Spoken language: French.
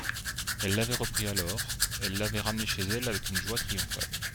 Elle l'avait repris alors, elle l'avait ramené chez elle avec une joie triomphale.